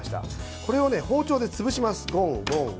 これを包丁で潰します。